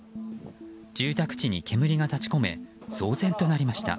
住宅地に煙が立ち込め騒然となりました。